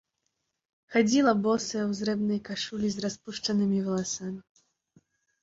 Хадзіла босая ў зрэбнай кашулі з распушчанымі валасамі.